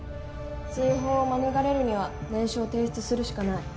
追放を免れるには念書を提出するしかない。